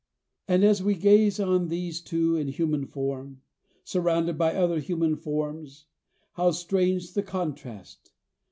And as we gaze on these two in human form, surrounded by other human forms, how strange the contrast!